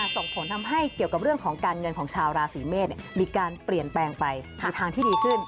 ส่งผลทำให้เกี่ยวกับเรื่องของการเงินของชาวราศีเมษมีการเปลี่ยนแปลงไปในทางที่ดีขึ้น